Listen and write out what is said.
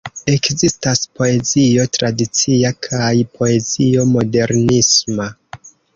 Ekzistas poezio tradicia kaj poezio modernisma.